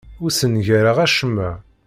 Ur ssengareɣ acemma.